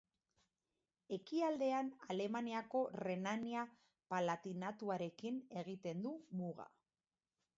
Ekialdean Alemaniako Renania-Palatinatuarekin egiten du muga.